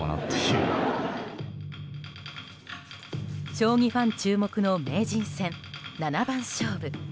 将棋ファン注目の名人戦七番勝負。